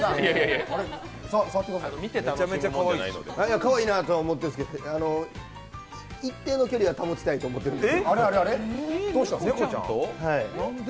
かわいいなとは思っているんですけど、一定の距離は保ちたいなと思っているんです。